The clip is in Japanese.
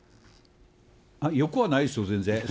よくはないですよ、全然。